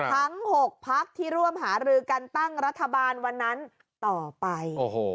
ทั้ง๖พักที่ร่วมหารือกันตั้งรัฐบาลวันนั้นต่อไป